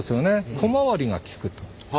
小回りが利く。